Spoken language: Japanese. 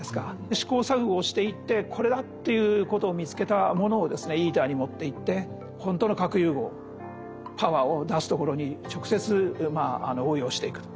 試行錯誤をしていってこれだっていうことを見つけたものをですねＩＴＥＲに持っていってほんとの核融合パワーを出すところに直接応用していくと。